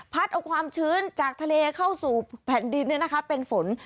เอาความชื้นจากทะเลเข้าสู่แผ่นดินเป็นฝน